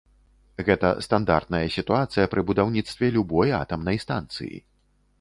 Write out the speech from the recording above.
Гэта стандартная сітуацыя пры будаўніцтве любой атамнай станцыі.